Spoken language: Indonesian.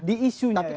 di isunya yang kuat